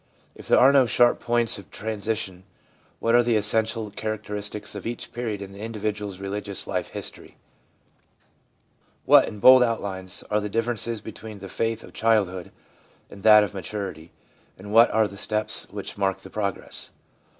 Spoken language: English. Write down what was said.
If there are no sharp points of transition, what are the essential characteristics of each period in the individual's religious life history? What, in bold outlines, are the differences between the faith of childhood and that of maturity, and what are the steps which mark the progress?